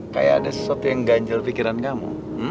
kayak ada sesuatu yang ganjal pikiran kamu